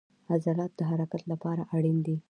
عضلات د حرکت لپاره اړین دي